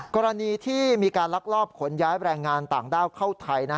กรณีที่มีการลักลอบขนย้ายแรงงานต่างด้าวเข้าไทย